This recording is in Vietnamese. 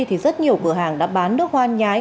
thì rất nhiều cửa hàng đã bán nước hoa nhái